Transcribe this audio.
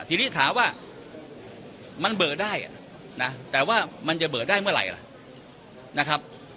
ทีนี้ถามว่ามันเบิกได้นะแต่ว่ามันจะเบิกได้เมื่อไหร่ล่ะนะครับ